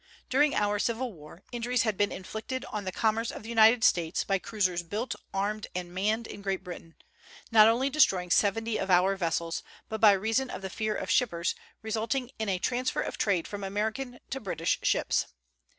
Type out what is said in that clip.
During our Civil War, injuries had been inflicted on the commerce of the United States by cruisers built, armed, and manned in Great Britain, not only destroying seventy of our vessels, but by reason of the fear of shippers, resulting in a transfer of trade from American to British ships.